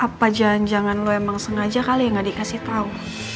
apa jangan jangan lo emang sengaja kali ya nggak dikasih tahu